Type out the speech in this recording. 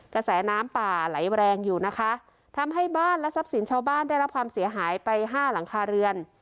กระแสน้ำป่าไหลแรงอยู่นะคะทำให้บ้านและทรัพย์สินชาวบ้านได้รับความเสียหายไปห้าหลังคาเรือน